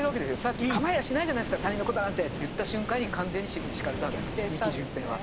さっき「かまいやしないじゃないですか他人のことなんて」って言った瞬間に完全に尻に敷かれたわけです仁木順平は。